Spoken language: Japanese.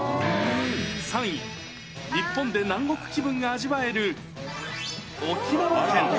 ３位、日本で南国気分が味わえる沖縄県。